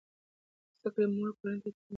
د زده کړې مور کورنۍ ته اعتماد ورکوي.